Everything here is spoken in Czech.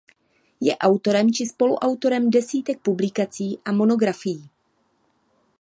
Je autorem či spoluautorem desítek publikací a monografií.